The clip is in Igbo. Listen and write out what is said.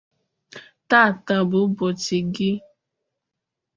Tata bụ ụbọchị gị.